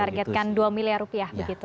targetkan dua miliar rupiah begitu